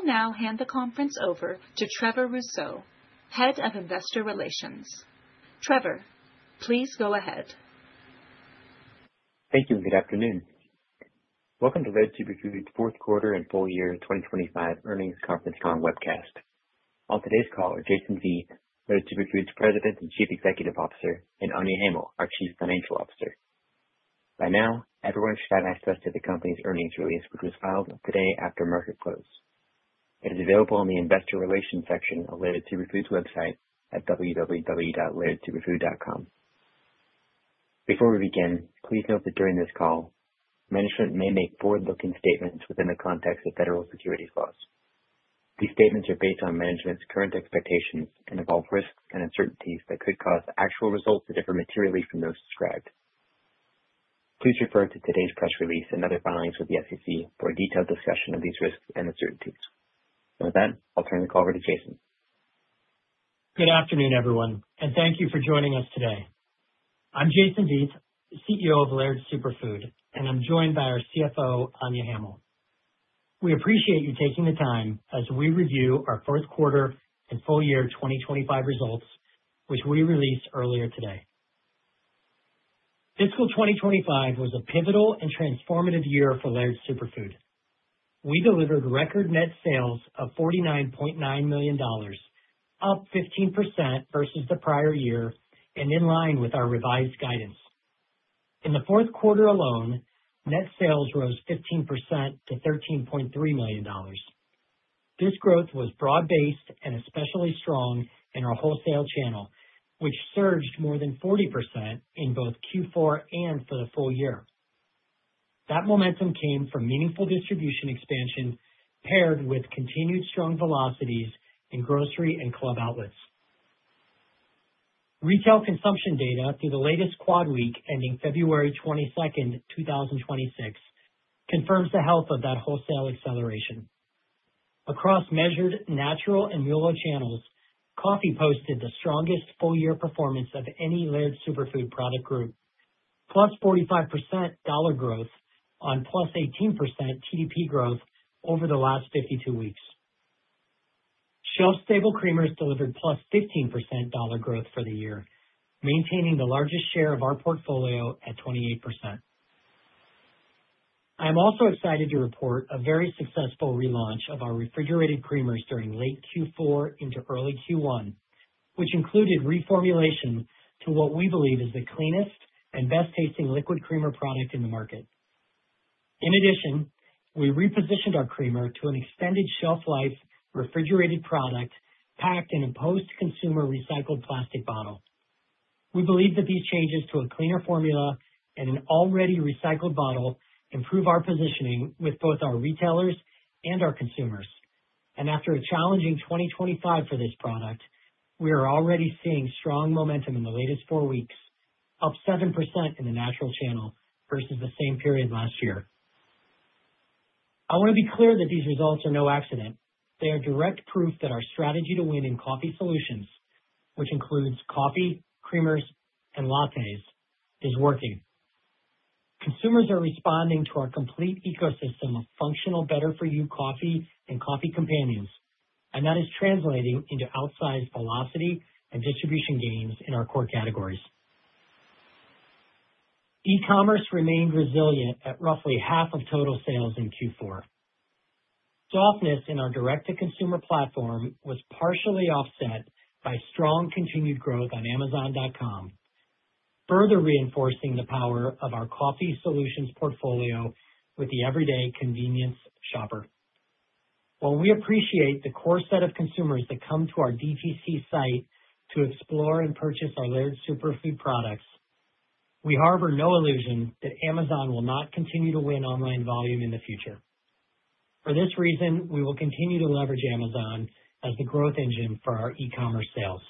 I'll now hand the conference over to Trevor Rousseau, Head of Investor Relations. Trevor, please go ahead. Thank you. Good afternoon. Welcome to Laird Superfood's fourth quarter and full year 2025 earnings conference call and webcast. On today's call are Jason Vieth, Laird Superfood's President and Chief Executive Officer, and Anya Hamill, our Chief Financial Officer. By now, everyone should have access to the company's earnings release, which was filed today after market close. It is available on the investor relations section of Laird Superfood's website at www.lairdsuperfood.com. Before we begin, please note that during this call, management may make forward-looking statements within the context of federal securities laws. These statements are based on management's current expectations and involve risks and uncertainties that could cause actual results to differ materially from those described. Please refer to today's press release and other filings with the SEC for a detailed discussion of these risks and uncertainties. With that, I'll turn the call over to Jason. Good afternoon, everyone, and thank you for joining us today. I'm Jason Vieth, CEO of Laird Superfood, and I'm joined by our CFO, Anya Hamill. We appreciate you taking the time as we review our first quarter and full year 2025 results, which we released earlier today. Fiscal 2025 was a pivotal and transformative year for Laird Superfood. We delivered record net sales of $49.9 million, up 15% versus the prior year, and in line with our revised guidance. In the fourth quarter alone, net sales rose 15% to $13.3 million. This growth was broad-based and especially strong in our wholesale channel, which surged more than 40% in both Q4 and for the full year. That momentum came from meaningful distribution expansion paired with continued strong velocities in grocery and club outlets. Retail consumption data through the latest quad-week ending February 22, 2026, confirms the health of that wholesale acceleration. Across measured natural and MULO channels, coffee posted the strongest full year performance of any Laird Superfood product group, +45% dollar growth on +18% TDP growth over the last 52 weeks. Shelf-stable creamers delivered +15% dollar growth for the year, maintaining the largest share of our portfolio at 28%. I am also excited to report a very successful relaunch of our refrigerated creamers during late Q4 into early Q1, which included reformulation to what we believe is the cleanest and best-tasting liquid creamer product in the market. In addition, we repositioned our creamer to an extended shelf life refrigerated product packed in a post-consumer recycled plastic bottle. We believe that these changes to a cleaner formula and an already recycled bottle improve our positioning with both our retailers and our consumers. After a challenging 2025 for this product, we are already seeing strong momentum in the latest four weeks, up 7% in the natural channel versus the same period last year. I want to be clear that these results are no accident. They are direct proof that our strategy to win in coffee solutions, which includes coffee, creamers, and lattes, is working. Consumers are responding to our complete ecosystem of functional better-for-you coffee and coffee companions, and that is translating into outsized velocity and distribution gains in our core categories. E-commerce remained resilient at roughly half of total sales in Q4. Softness in our direct-to-consumer platform was partially offset by strong continued growth on amazon.com, further reinforcing the power of our coffee solutions portfolio with the everyday convenience shopper. While we appreciate the core set of consumers that come to our DTC site to explore and purchase our Laird Superfood products, we harbor no illusion that Amazon will not continue to win online volume in the future. For this reason, we will continue to leverage Amazon as the growth engine for our e-commerce sales.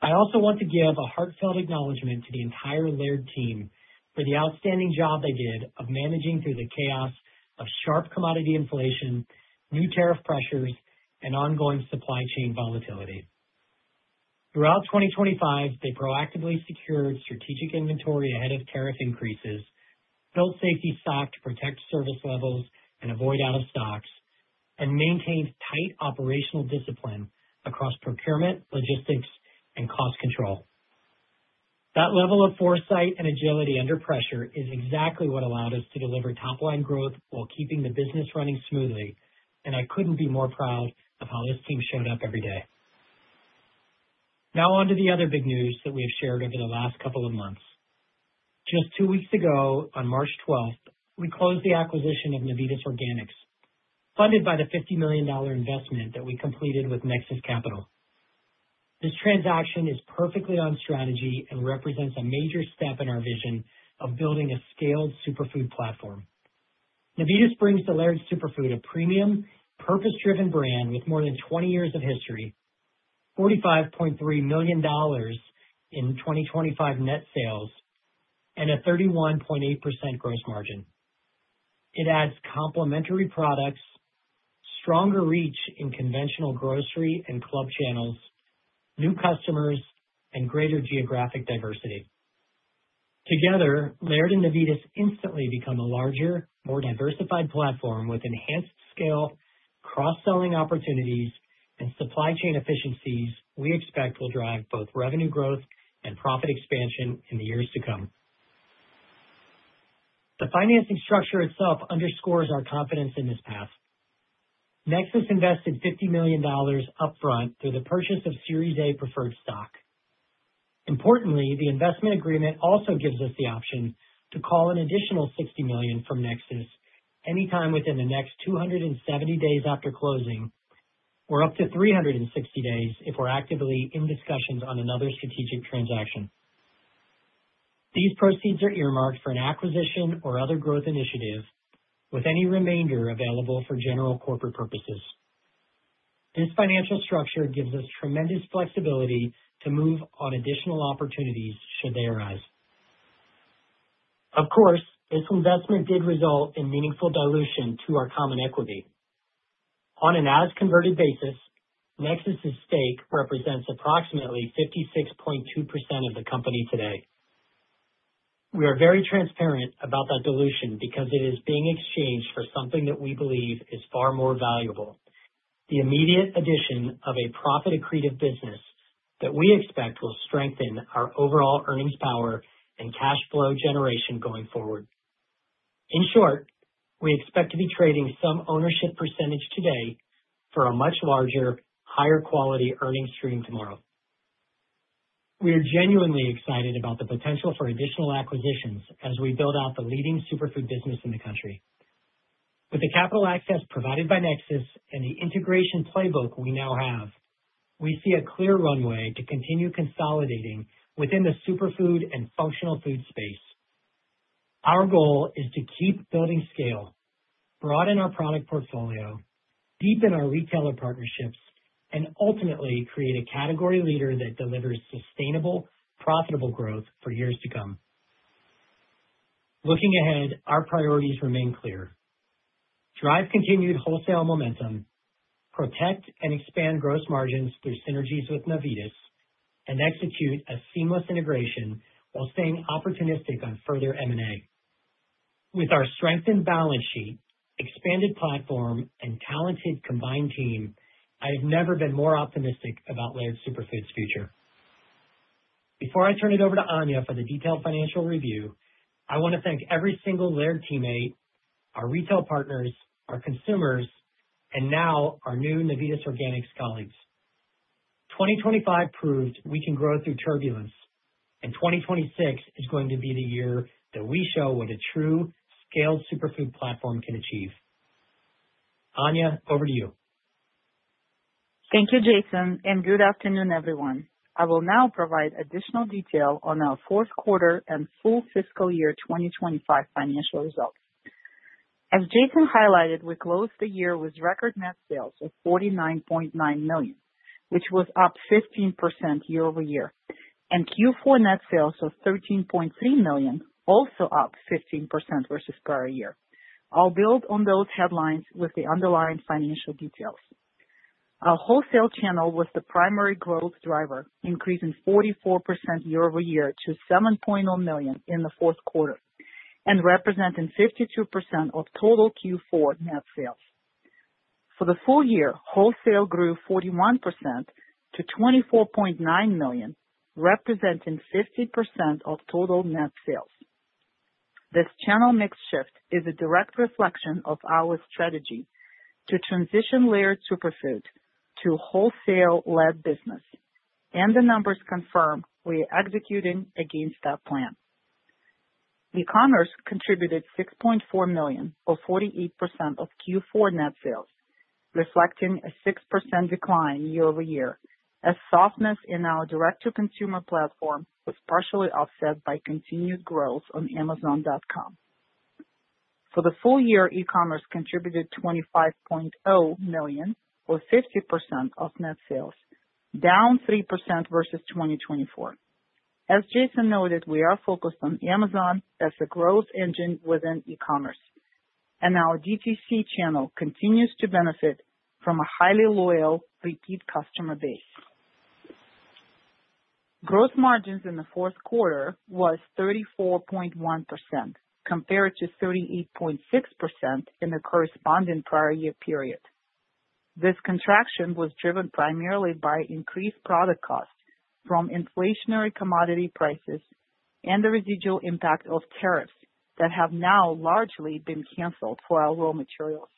I also want to give a heartfelt acknowledgment to the entire Laird team for the outstanding job they did of managing through the chaos of sharp commodity inflation, new tariff pressures, and ongoing supply chain volatility. Throughout 2025, they proactively secured strategic inventory ahead of tariff increases, built safety stock to protect service levels and avoid out-of-stocks, and maintained tight operational discipline across procurement, logistics, and cost control. That level of foresight and agility under pressure is exactly what allowed us to deliver top line growth while keeping the business running smoothly, and I couldn't be more proud of how this team showed up every day. Now on to the other big news that we have shared over the last couple of months. Just two weeks ago, on March 12, we closed the acquisition of Navitas Organics, funded by the $50 million investment that we completed with Nexus Capital. This transaction is perfectly on strategy and represents a major step in our vision of building a scaled superfood platform. Navitas brings to Laird Superfood a premium, purpose-driven brand with more than 20 years of history, $45.3 million in 2025 net sales, and a 31.8% gross margin. It adds complementary products, stronger reach in conventional grocery and club channels, new customers, and greater geographic diversity. Together, Laird and Navitas instantly become a larger, more diversified platform with enhanced scale, cross-selling opportunities, and supply chain efficiencies we expect will drive both revenue growth and profit expansion in the years to come. The financing structure itself underscores our confidence in this path. Nexus invested $50 million upfront through the purchase of Series A preferred stock. Importantly, the investment agreement also gives us the option to call an additional $60 million from Nexus anytime within the next 270 days after closing, or up to 360 days if we're actively in discussions on another strategic transaction. These proceeds are earmarked for an acquisition or other growth initiatives with any remainder available for general corporate purposes. This financial structure gives us tremendous flexibility to move on additional opportunities should they arise. Of course, this investment did result in meaningful dilution to our common equity. On an as-converted basis, Nexus' stake represents approximately 56.2% of the company today. We are very transparent about that dilution because it is being exchanged for something that we believe is far more valuable, the immediate addition of a profit accretive business that we expect will strengthen our overall earnings power and cash flow generation going forward. In short, we expect to be trading some ownership percentage today for a much larger, higher quality earnings stream tomorrow. We are genuinely excited about the potential for additional acquisitions as we build out the leading superfood business in the country. With the capital access provided by Nexus and the integration playbook we now have, we see a clear runway to continue consolidating within the superfood and functional food space. Our goal is to keep building scale, broaden our product portfolio, deepen our retailer partnerships, and ultimately create a category leader that delivers sustainable, profitable growth for years to come. Looking ahead, our priorities remain clear. Drive continued wholesale momentum, protect and expand gross margins through synergies with Navitas, and execute a seamless integration while staying opportunistic on further M&A. With our strengthened balance sheet, expanded platform, and talented combined team, I have never been more optimistic about Laird Superfood's future. Before I turn it over to Anya for the detailed financial review, I want to thank every single Laird teammate, our retail partners, our consumers, and now our new Navitas Organics colleagues. 2025 proved we can grow through turbulence, and 2026 is going to be the year that we show what a true scaled superfood platform can achieve. Anya, over to you. Thank you, Jason, and good afternoon, everyone. I will now provide additional detail on our fourth quarter and full fiscal year 2025 financial results. As Jason highlighted, we closed the year with record net sales of $49.9 million, which was up 15% year-over-year, and Q4 net sales of $13.3 million, also up 15% versus prior year. I'll build on those headlines with the underlying financial details. Our wholesale channel was the primary growth driver, increasing 44% year-over-year to $7.0 million in the fourth quarter and representing 52% of total Q4 net sales. For the full year, wholesale grew 41% to $24.9 million, representing 50% of total net sales. This channel mix shift is a direct reflection of our strategy to transition Laird Superfood to wholesale-led business, and the numbers confirm we are executing against that plan. E-commerce contributed $6.4 million, or 48% of Q4 net sales, reflecting a 6% decline year-over-year as softness in our direct-to-consumer platform was partially offset by continued growth on amazon.com. For the full year, e-commerce contributed $25.0 million, or 50% of net sales, down 3% versus 2024. As Jason noted, we are focused on Amazon as the growth engine within e-commerce, and our DTC channel continues to benefit from a highly loyal repeat customer base. Gross margins in the fourth quarter was 34.1% compared to 38.6% in the corresponding prior year period. This contraction was driven primarily by increased product costs from inflationary commodity prices and the residual impact of tariffs that have now largely been canceled for our raw materials,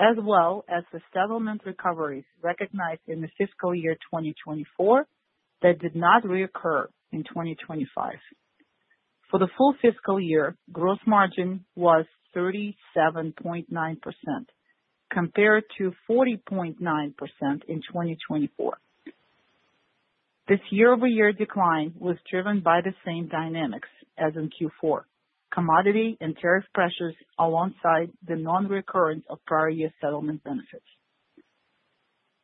as well as the settlement recoveries recognized in the fiscal year 2024 that did not reoccur in 2025. For the full fiscal year, gross margin was 37.9% compared to 40.9% in 2024. This year-over-year decline was driven by the same dynamics as in Q4, commodity and tariff pressures alongside the non-recurrence of prior year settlement benefits.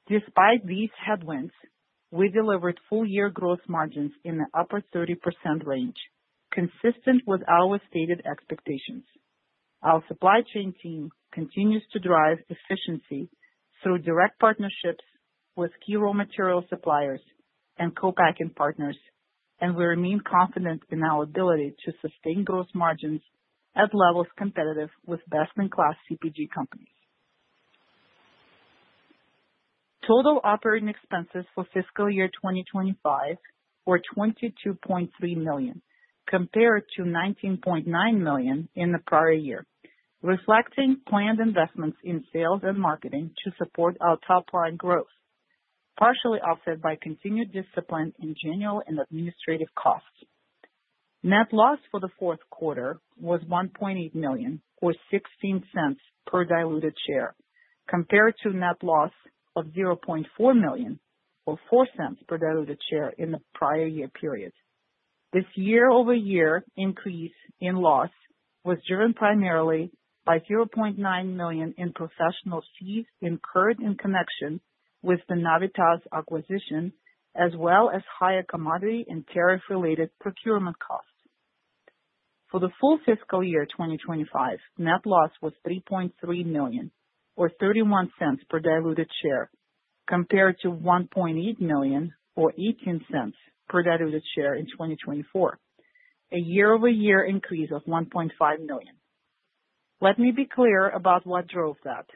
Despite these headwinds, we delivered full-year gross margins in the upper 30% range, consistent with our stated expectations. Our supply chain team continues to drive efficiency through direct partnerships with key raw material suppliers and co-packing partners, and we remain confident in our ability to sustain gross margins at levels competitive with best-in-class CPG companies. Total operating expenses for fiscal year 2025 were $22.3 million, compared to $19.9 million in the prior year, reflecting planned investments in sales and marketing to support our top line growth, partially offset by continued discipline in general and administrative costs. Net loss for the fourth quarter was $1.8 million, or $0.16 per diluted share, compared to net loss of $0.4 million or $0.04 per diluted share in the prior year period. This year-over-year increase in loss was driven primarily by $0.9 million in professional fees incurred in connection with the Navitas acquisition, as well as higher commodity and tariff-related procurement costs. For the full fiscal year 2025, net loss was $3.3 million or $0.31 per diluted share, compared to $1.8 million or $0.18 per diluted share in 2024, a year-over-year increase of $1.5 million. Let me be clear about what drove that.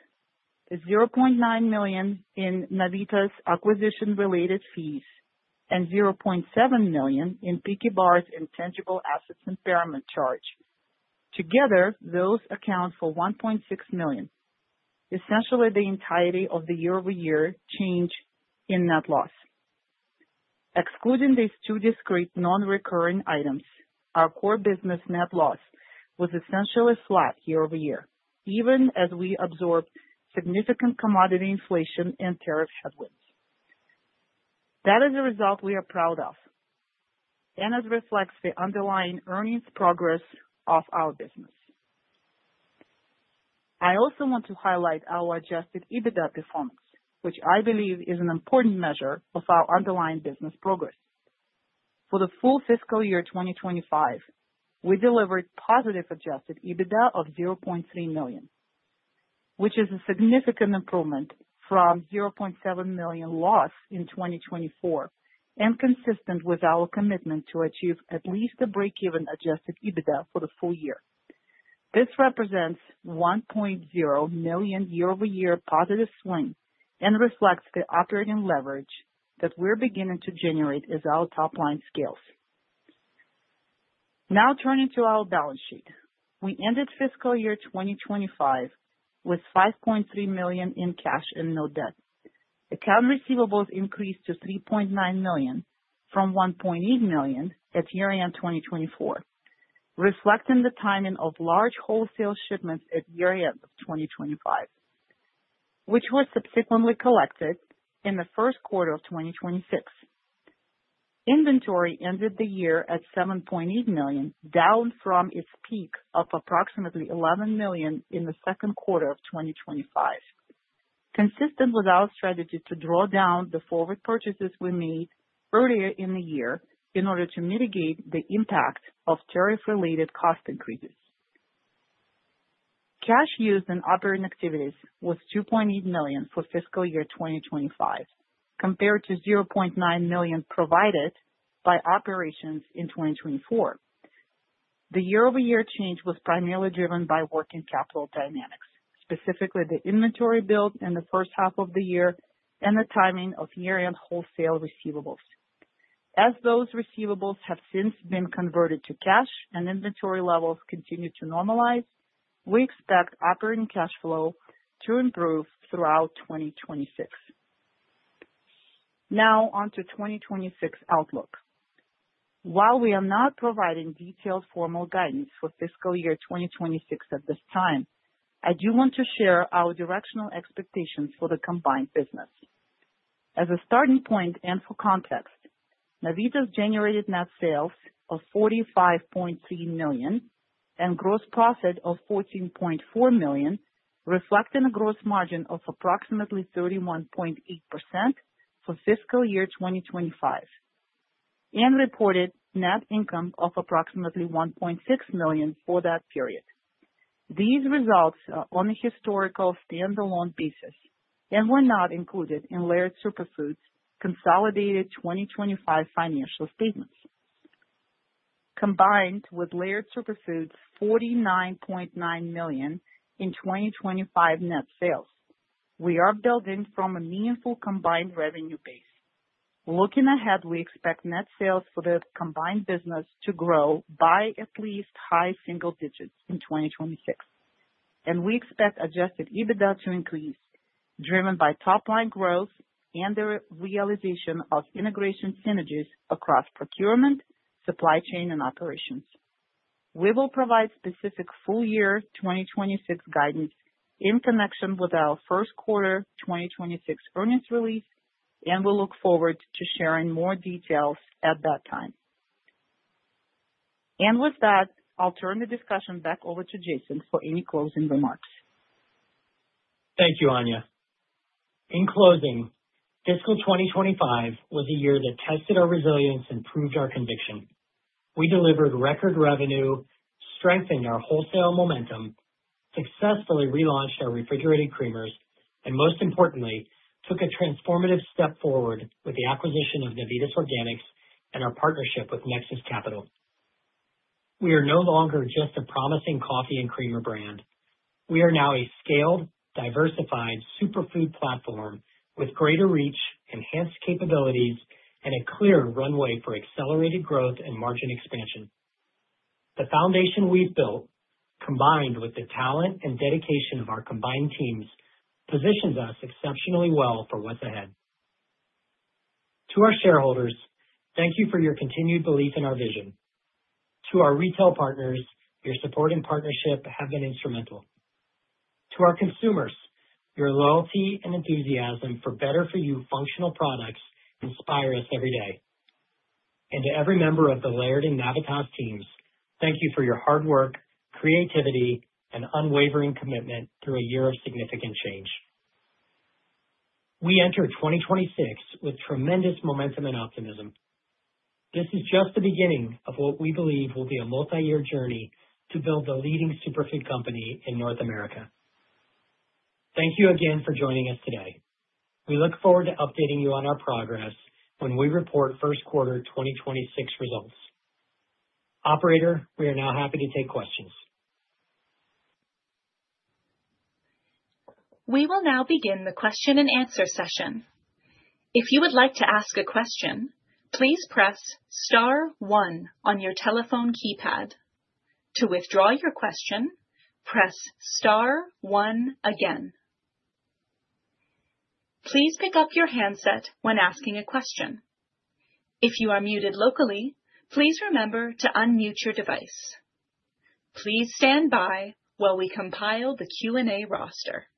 The $0.9 million in Navitas acquisition-related fees and $0.7 million in Picky Bars intangible assets impairment charge. Together, those account for $1.6 million, essentially the entirety of the year-over-year change in net loss. Excluding these two discrete non-recurring items, our core business net loss was essentially flat year-over-year, even as we absorbed significant commodity inflation and tariff headwinds. That is a result we are proud of and it reflects the underlying earnings progress of our business. I also want to highlight our adjusted EBITDA performance, which I believe is an important measure of our underlying business progress. For the full fiscal year 2025, we delivered positive adjusted EBITDA of $0.3 million, which is a significant improvement from $0.7 million loss in 2024, and consistent with our commitment to achieve at least a break-even adjusted EBITDA for the full year. This represents $1.0 million year-over-year positive swing and reflects the operating leverage that we're beginning to generate as our top line scales. Now turning to our balance sheet. We ended fiscal year 2025 with $5.3 million in cash and no debt. Accounts receivable increased to $3.9 million from $1.8 million at year-end 2024, reflecting the timing of large wholesale shipments at year-end of 2025, which was subsequently collected in the first quarter of 2026. Inventory ended the year at $7.8 million, down from its peak of approximately $11 million in the second quarter of 2025, consistent with our strategy to draw down the forward purchases we made earlier in the year in order to mitigate the impact of tariff-related cost increases. Cash used in operating activities was $2.8 million for fiscal year 2025, compared to $0.9 million provided by operations in 2024. The year-over-year change was primarily driven by working capital dynamics, specifically the inventory build in the first half of the year and the timing of year-end wholesale receivables. As those receivables have since been converted to cash and inventory levels continue to normalize, we expect operating cash flow to improve throughout 2026. Now on to 2026 outlook. While we are not providing detailed formal guidance for fiscal year 2026 at this time, I do want to share our directional expectations for the combined business. As a starting point and for context, Navitas generated net sales of $45.3 million and gross profit of $14.4 million, reflecting a gross margin of approximately 31.8% for fiscal year 2025, and reported net income of approximately $1.6 million for that period. These results are on a historical standalone basis and were not included in Laird Superfood's consolidated 2025 financial statements. Combined with Laird Superfood's $49.9 million in 2025 net sales, we are building from a meaningful combined revenue base. Looking ahead, we expect net sales for the combined business to grow by at least high single digits% in 2026, and we expect adjusted EBITDA to increase, driven by top-line growth and the realization of integration synergies across procurement, supply chain, and operations. We will provide specific full year 2026 guidance in connection with our first quarter 2026 earnings release, and we look forward to sharing more details at that time. With that, I'll turn the discussion back over to Jason for any closing remarks. Thank you, Anya. In closing, fiscal 2025 was a year that tested our resilience and proved our conviction. We delivered record revenue, strengthened our wholesale momentum, successfully relaunched our refrigerated creamers, and most importantly, took a transformative step forward with the acquisition of Navitas Organics and our partnership with Nexus Capital. We are no longer just a promising coffee and creamer brand. We are now a scaled, diversified superfood platform with greater reach, enhanced capabilities, and a clear runway for accelerated growth and margin expansion. The foundation we've built, combined with the talent and dedication of our combined teams, positions us exceptionally well for what's ahead. To our shareholders, thank you for your continued belief in our vision. To our retail partners, your support and partnership have been instrumental. To our consumers, your loyalty and enthusiasm for better-for-you functional products inspire us every day. To every member of the Laird and Navitas teams, thank you for your hard work, creativity, and unwavering commitment through a year of significant change. We enter 2026 with tremendous momentum and optimism. This is just the beginning of what we believe will be a multi-year journey to build the leading superfood company in North America. Thank you again for joining us today. We look forward to updating you on our progress when we report first quarter 2026 results. Operator, we are now happy to take questions. We will now begin the question-and-answer session. If you would like to ask a question, please press star one on your telephone keypad. To withdraw your question, press star one again. Please pick up your handset when asking a question. If you are muted locally, please remember to unmute your device. Please stand by while we compile the Q&A roster.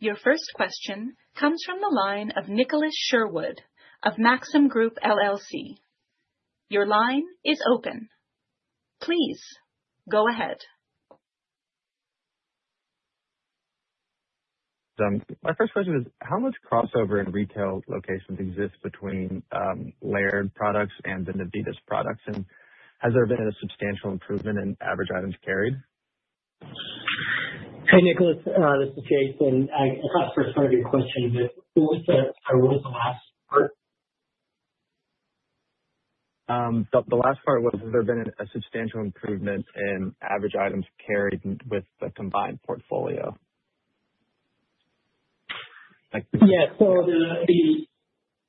Your first question comes from the line of Nicholas Sherwood of Maxim Group LLC. Your line is open. Please go ahead. My first question is, how much crossover in retail locations exists between Laird products and the Navitas products? Has there been a substantial improvement in average items carried? Hey, Nicholas, this is Jason. I caught the first part of your question, but what was the last part? The last part was, has there been a substantial improvement in average items carried with the combined portfolio? Yeah.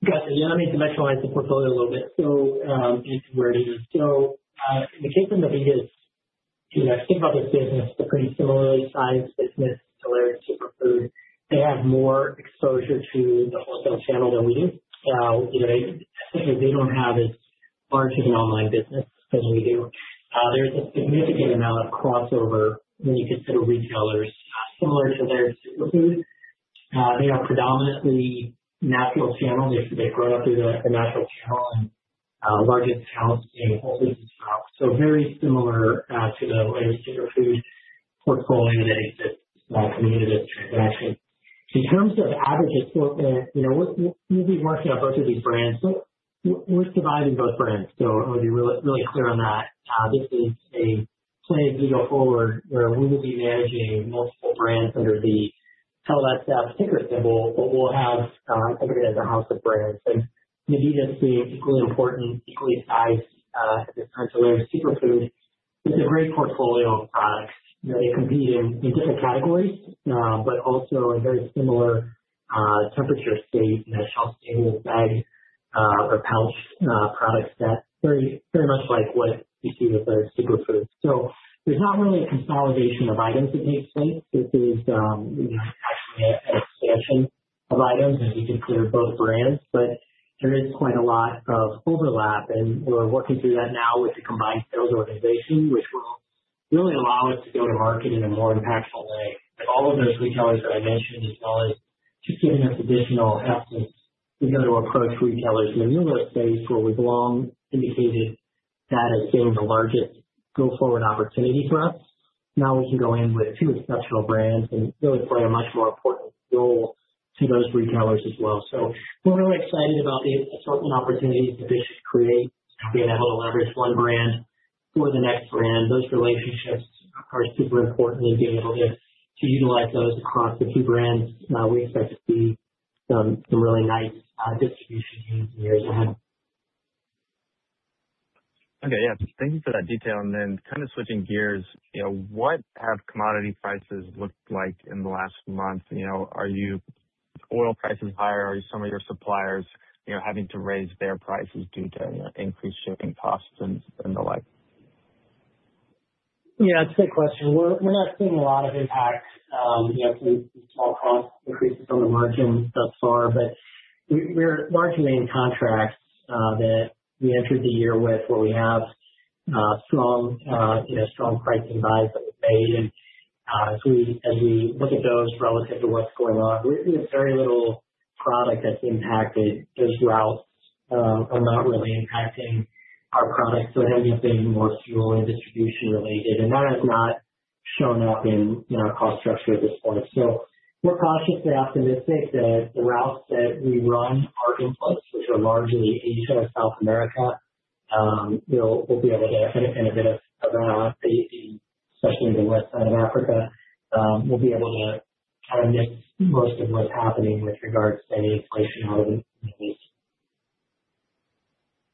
Gotcha. Yeah, I mean, to dimensionalize the portfolio a little bit, in two words. In the case of Navitas, you know, I think about this business. They're pretty similarly sized business to Laird Superfood. They have more exposure to the wholesale channel than we do. You know, I think that they don't have as large of an online business as we do. There's a significant amount of crossover when you consider retailers similar to their superfood. They are predominantly natural channels. They grow through the natural channel and largest channels in the whole business model. Very similar to the Laird Superfood portfolio that exists from the transaction. In terms of average assortment, you know, we're usually working on both of these brands. We're combining both brands. I wanna be real, really clear on that. This is a play as we go forward where we will be managing multiple brands under the LSF ticker symbol, but we'll have everything as a house of brands. Navitas being equally important, equally sized at this point to Laird Superfood. It's a great portfolio of products. You know, they compete in different categories, but also a very similar temperature state, you know, shelf-stable bag or pouch products that very, very much like what you see with our superfoods. There's not really a consolidation of items that makes sense. This is, you know, actually an expansion of items as we consider both brands. There is quite a lot of overlap, and we're working through that now with the combined sales organization, which will really allow us to go to market in a more impactful way. All of those retailers that I mentioned as well, just giving us additional avenues, we're going to approach retailers in a newer space where we've long indicated that as being the largest go-forward opportunity for us. Now we can go in with two exceptional brands and really play a much more important role to those retailers as well. We're really excited about the assortment opportunities that this creates, being able to leverage one brand for the next brand. Those relationships are super important, and being able to utilize those across the two brands, we expect to see some really nice distribution gains in years ahead. Okay. Yeah. Thank you for that detail. Kind of switching gears, you know, what have commodity prices looked like in the last month? You know, with oil prices higher, are some of your suppliers, you know, having to raise their prices due to, you know, increased shipping costs and the like? Yeah, it's a good question. We're not seeing a lot of impact, you know, some small cost increases on the margins thus far, but we're margining contracts that we entered the year with, where we have Strong pricing buys that were made. As we look at those relative to what's going on, really it's very little product that's impacted. Those routes are not really impacting our products. It has been more fuel and distribution related, and that has not shown up in our cost structure at this point. We're cautiously optimistic that the routes that we run are in place, which are largely Asia, South America, we'll be able to get and a bit of an update in, especially in the west side of Africa, we'll be able to kind of miss most of what's happening with regards to any inflation out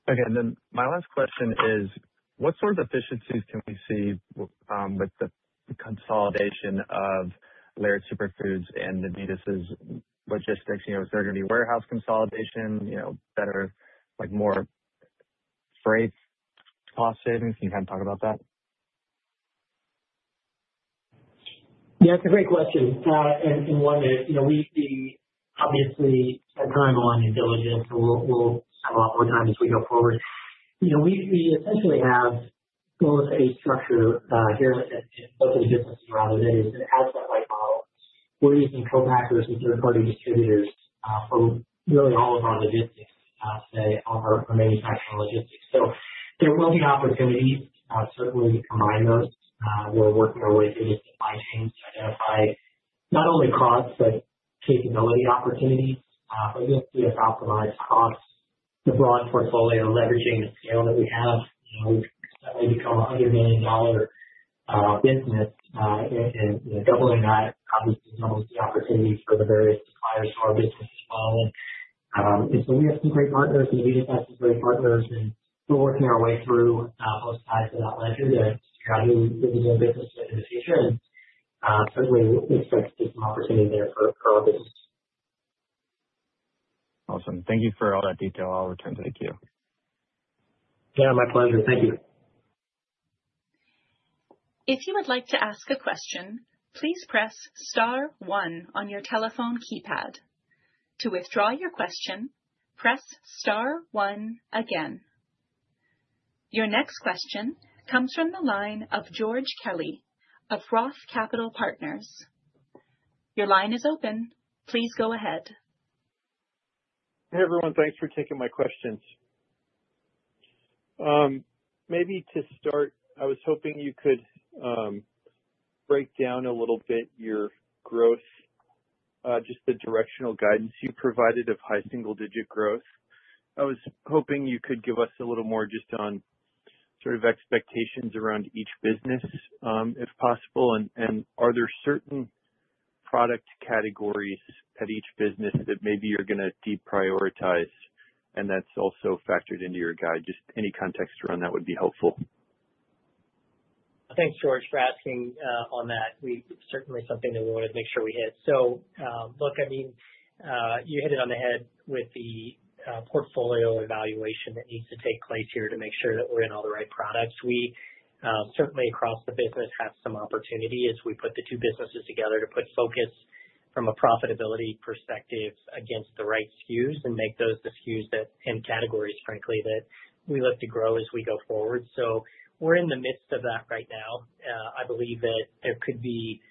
of the East. Okay. My last question is, what sort of efficiencies can we see with the consolidation of Laird Superfood and Navitas' logistics? You know, is there gonna be warehouse consolidation, you know, better like more freight cost savings? Can you kind of talk about that? Yeah, it's a great question. One that, you know, we see obviously a timeline and diligence, and we'll have a lot more time as we go forward. You know, we essentially have built a structure here that's slightly different rather than is an asset-light model. We're using co-packers and third-party distributors for really all of our logistics today, all our manufacturing logistics. There will be opportunities certainly to combine those. We're working our way through the supply chains to identify not only costs, but capability opportunities. I think we have optimized costs, the broad portfolio leveraging the scale that we have. You know, we've suddenly become a $100 million business, and you know, doubling that obviously doubles the opportunities for the various suppliers to our business as well. We have some great partners. Navitas has some great partners, and we're working our way through both sides of that ledger to try to do more business in the future. Certainly we expect there's some opportunity there for our business. Awesome. Thank you for all that detail, I'll return it to the queue. Yeah, my pleasure. Thank you. If you would like to ask a question, please press star one on your telephone keypad. To withdraw your question, press star one again. Your next question comes from the line of George Kelly of ROTH Capital Partners. Your line is open. Please go ahead. Hey, everyone. Thanks for taking my questions. Maybe to start, I was hoping you could break down a little bit your growth, just the directional guidance you provided of high single digit growth. I was hoping you could give us a little more just on sort of expectations around each business, if possible. Are there certain product categories at each business that maybe you're gonna deprioritize and that's also factored into your guide? Just any context around that would be helpful. Thanks, George, for asking on that. Certainly something that we wanna make sure we hit. Look, I mean, you hit it on the head with the portfolio evaluation that needs to take place here to make sure that we're in all the right products. We certainly across the business have some opportunity as we put the two businesses together to put focus from a profitability perspective against the right SKUs and make those the SKUs and categories frankly that we look to grow as we go forward. We're in the midst of that right now. I believe that there could be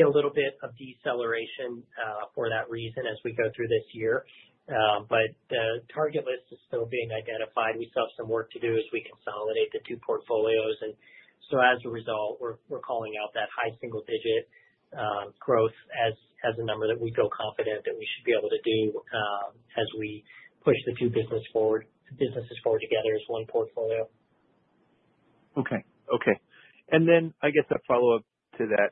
a little bit of deceleration for that reason as we go through this year. But the target list is still being identified. We still have some work to do as we consolidate the two portfolios. As a result, we're calling out that high single digit growth as a number that we feel confident that we should be able to do, as we push the two businesses forward together as one portfolio. Okay. Okay. I guess a follow-up to that.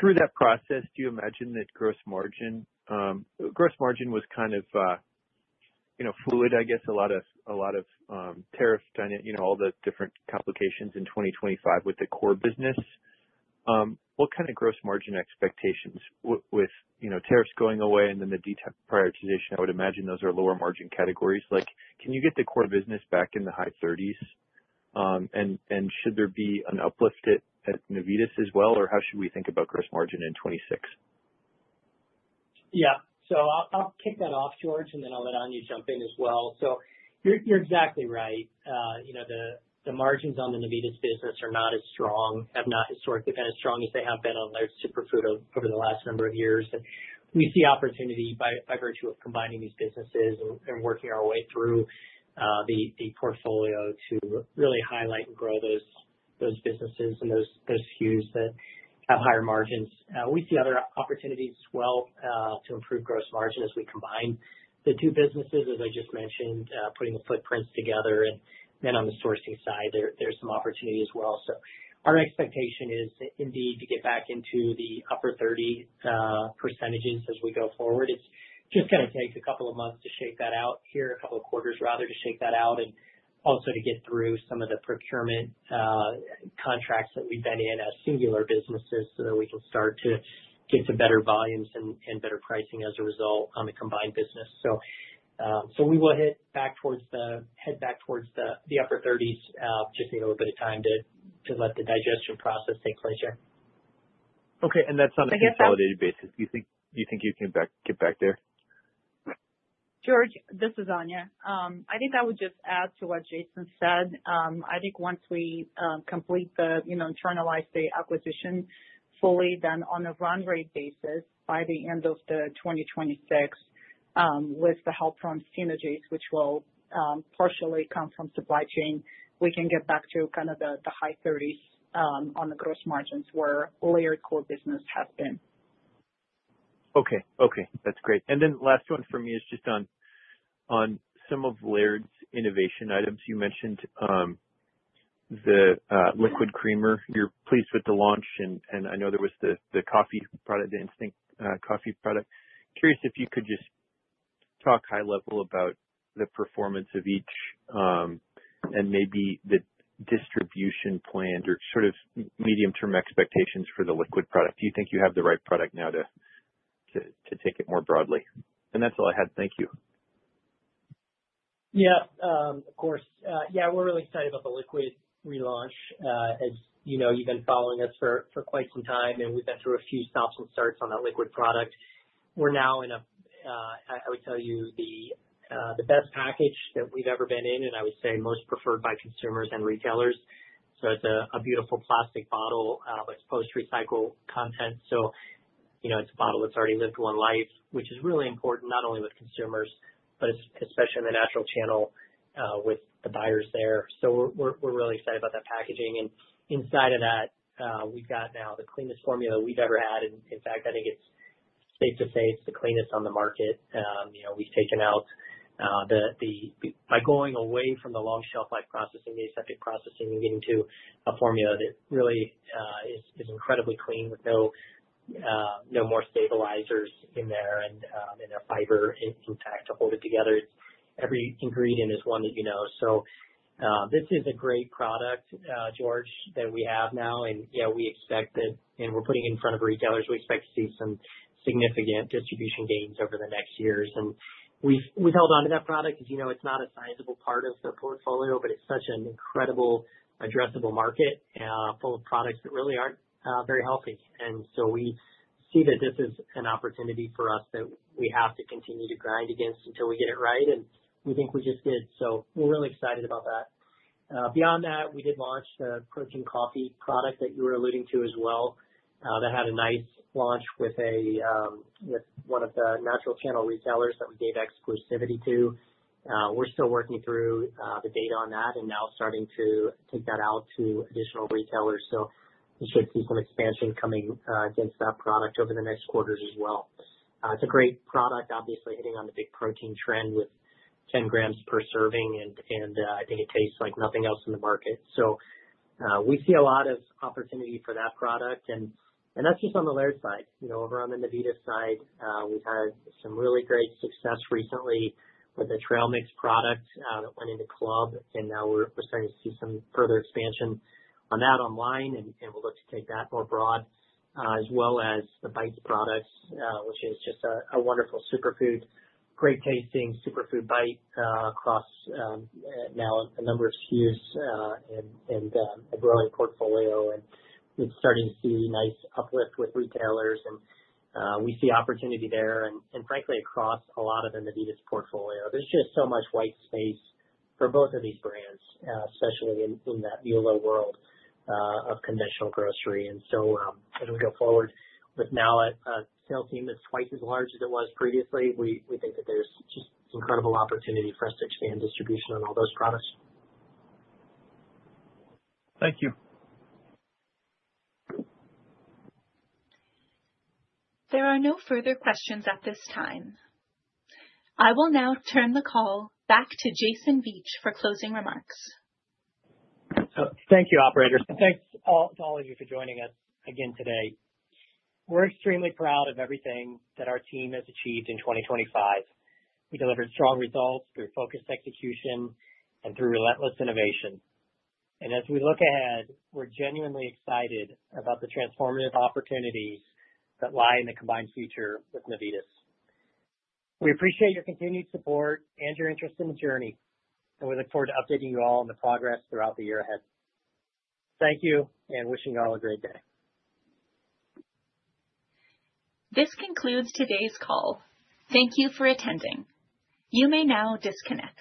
Through that process, do you imagine that gross margin was kind of, you know, fluid, I guess a lot of tariffs, you know, all the different complications in 2025 with the core business. What kind of gross margin expectations with, you know, tariffs going away and the Navitas prioritization, I would imagine those are lower margin categories. Like can you get the core business back in the high 30s%? And should there be an uplift at Navitas as well, or how should we think about gross margin in 2026? Yeah. I'll kick that off, George, and then I'll let Anya jump in as well. You're exactly right. You know, the margins on the Navitas business are not as strong, have not historically been as strong as they have been on Laird Superfood over the last number of years. We see opportunity by virtue of combining these businesses and working our way through the portfolio to really highlight and grow those businesses and those SKUs that have higher margins. We see other opportunities as well to improve gross margin as we combine the two businesses, as I just mentioned, putting the footprints together and then on the sourcing side there's some opportunity as well. Our expectation is indeed to get back into the upper 30% as we go forward. It's just gonna take a couple of months to shake that out here, a couple of quarters rather, to shake that out and also to get through some of the procurement contracts that we've been in as singular businesses so that we can start to get some better volumes and better pricing as a result on the combined business. We will head back towards the upper thirties. We just need a little bit of time to let the digestion process take place here. Okay, that's on a consolidated basis. Do you think you can get back there? George, this is Anya. I think I would just add to what Jason said. I think once we internalize the acquisition fully, then on a run rate basis by the end of 2026, with the help from synergies, which will partially come from supply chain, we can get back to kind of the high 30s% on the gross margins where Laird core business has been. Okay. Okay, that's great. Last one for me is just on some of Laird's innovation items. You mentioned the liquid creamer. You're pleased with the launch, and I know there was the coffee product, the Instinct coffee product. Curious if you could just talk high level about the performance of each, and maybe the distribution plan or sort of medium-term expectations for the liquid product. Do you think you have the right product now to take it more broadly? That's all I had. Thank you. Yeah. Of course. Yeah, we're really excited about the liquid relaunch. As you know, you've been following us for quite some time, and we've been through a few stops and starts on that liquid product. We're now in, I would tell you, the best package that we've ever been in, and I would say most preferred by consumers and retailers. It's a beautiful plastic bottle with post-recycled content. You know, it's a bottle that's already lived one life, which is really important not only with consumers, but especially in the natural channel with the buyers there. We're really excited about that packaging. Inside of that, we've got now the cleanest formula we've ever had. In fact, I think it's safe to say it's the cleanest on the market. You know, we've taken out by going away from the long shelf life processing, the aseptic processing and getting to a formula that really is incredibly clean with no more stabilizers in there and a fiber intact to hold it together. Every ingredient is one that you know. So this is a great product, George, that we have now and you know, we expect that and we're putting it in front of retailers. We expect to see some significant distribution gains over the next years. We've held onto that product because you know, it's not a sizable part of the portfolio, but it's such an incredible addressable market full of products that really aren't very healthy. We see that this is an opportunity for us that we have to continue to grind against until we get it right, and we think we just did. We're really excited about that. Beyond that, we did launch the protein coffee product that you were alluding to as well. That had a nice launch with one of the natural channel retailers that we gave exclusivity to. We're still working through the data on that and now starting to take that out to additional retailers, so we should see some expansion coming against that product over the next quarters as well. It's a great product, obviously hitting on the big protein trend with 10 grams per serving and I think it tastes like nothing else in the market. We see a lot of opportunity for that product and that's just on the Laird side. You know, over on the Navitas side, we've had some really great success recently with the trail mix product that went into club, and now we're starting to see some further expansion on that online and we look to take that more broad, as well as the bites products, which is just a wonderful superfood, great tasting superfood bite across now a number of SKUs, and a growing portfolio, and it's starting to see nice uplift with retailers and we see opportunity there and frankly across a lot of the Navitas portfolio. There's just so much white space for both of these brands, especially in that brick-and-mortar world of conventional grocery. As we go forward with now a sales team that's twice as large as it was previously, we think that there's just incredible opportunity for us to expand distribution on all those products. Thank you. There are no further questions at this time. I will now turn the call back to Jason Vieth for closing remarks. Thank you, operator. Thanks all of you for joining us again today. We're extremely proud of everything that our team has achieved in 2025. We delivered strong results through focused execution and through relentless innovation. As we look ahead, we're genuinely excited about the transformative opportunities that lie in the combined future with Navitas. We appreciate your continued support and your interest in the journey, and we look forward to updating you all on the progress throughout the year ahead. Thank you and wishing you all a great day. This concludes today's call. Thank you for attending. You may now disconnect.